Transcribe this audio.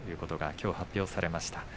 きょう発表されました。